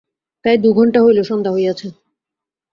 প্রায় দুই ঘণ্টা হইল সন্ধ্যা হইয়াছে।